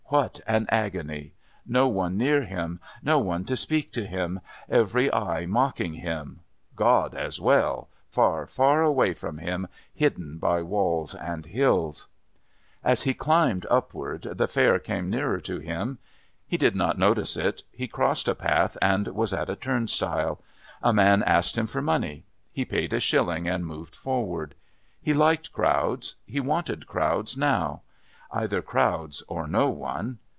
What an agony! No one near him, no one to speak to him, every eye mocking him God as well, far, far away from him, hidden by walls and hills. As he climbed upward the Fair came nearer to him. He did not notice it. He crossed a path and was at a turnstile. A man asked him for money. He paid a shilling and moved forward. He liked crowds; he wanted crowds now. Either crowds or no one.